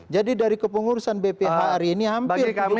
jadi dari kepengurusan bph hari ini hampir